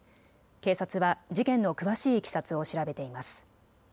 警察は事件の詳しいいきさつを調べています。